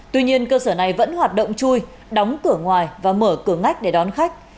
tuy nhiên cơ sở này vẫn hoạt động chui đóng cửa ngoài và mở cửa ngách để đón khách